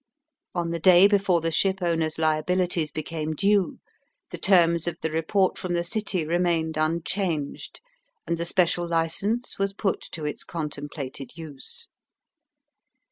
On the day before the ship owner's liabilities became due the terms of the report from the City remained unchanged, and the special license was put to its contemplated use.